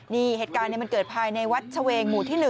นี่เหตุการณ์มันเกิดภายในวัดเฉวงหมู่ที่๑